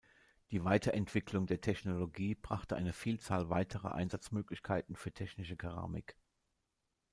Die Weiterentwicklung der Technologie brachte eine Vielzahl weiterer Einsatzmöglichkeiten für technische Keramik.